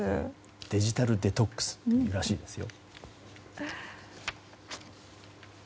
デジタルデトックスらしいですよ。